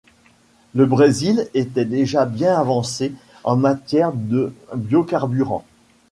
Le Brésil était déjà bien avancé en matière de biocarburants.